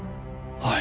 はい。